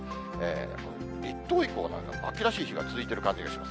立冬以降は、秋らしいお天気が続いてる感じがします。